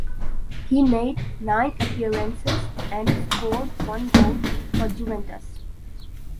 He made nine appearances and scored one goal for Juventus.